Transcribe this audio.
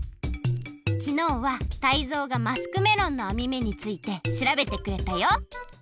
きのうはタイゾウがマスクメロンのあみめについてしらべてくれたよ！